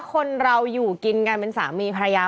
คนเราอยู่กินกันเป็นสามีภรรยา